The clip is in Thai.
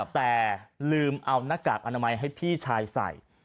แต่ลืมเอาหน้ากากอนามัยให้พี่ชายใส่